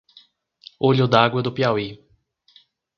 Olho d'Água do Piauí